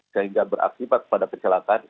sehingga berakibat pada kecelakaan